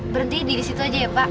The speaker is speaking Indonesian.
berhenti di situ aja ya pak